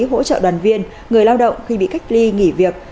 hỗ trợ đoàn viên người lao động khi bị cách ly nghỉ việc